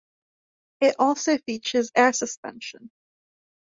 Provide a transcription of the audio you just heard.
It also features air suspension.